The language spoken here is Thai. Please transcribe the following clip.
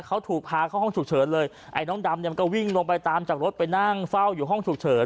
เขาถูกพาเข้าห้องฉุกเฉินเลยไอ้น้องดำเนี่ยมันก็วิ่งลงไปตามจากรถไปนั่งเฝ้าอยู่ห้องฉุกเฉิน